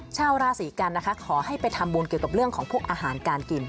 ชาวราศีกันนะคะขอให้ไปทำบุญเกี่ยวกับเรื่องของพวกอาหารการกิน